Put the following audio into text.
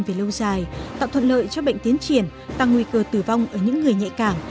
về lâu dài tạo thuận lợi cho bệnh tiến triển tăng nguy cơ tử vong ở những người nhạy cảm